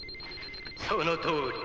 そのとおり。